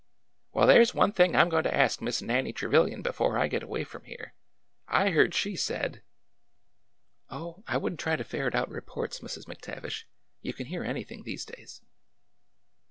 " Well, there 's one thing I 'm going to ask Miss Nannie Trevilian before I get away from here! I heard she said " 1£ 178 ORDER NO. 11 Oh, I would n't try to ferret out reports, Mrs. Me Tavish. You can hear anything these days."